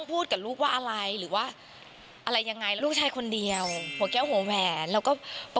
เพราะว่าชื่อยาวไปหน่อยนั้นก็เลยลืม